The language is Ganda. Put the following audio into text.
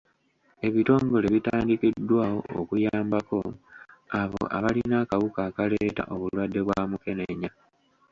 Ebitongole bitandikiddwawo okuyambako abo abalina akawuka akaleeta obulwadde bwa mukenenya.